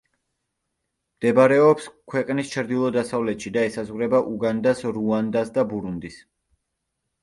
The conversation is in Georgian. მდებარეობს ქვეყნის ჩრდილო-დასავლეთში და ესაზღვრება უგანდას, რუანდას და ბურუნდის.